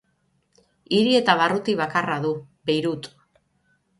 Hiri eta barruti bakarra du: Beirut.